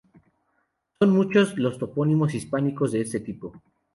Son muchos los topónimos hispánicos de este tipo.